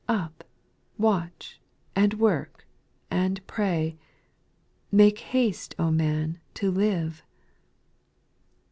Up, watch, and work, and pray 1 Make haste, man, to live